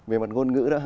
về mặt ngôn ngữ đó hả